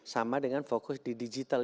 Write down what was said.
sama dengan fokus di digital